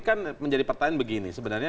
kan menjadi pertanyaan begini sebenarnya